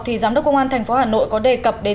thì giám đốc công an thành phố hà nội có đề cập đến